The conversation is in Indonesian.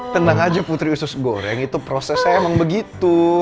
tenang aja putri usus goreng itu prosesnya emang begitu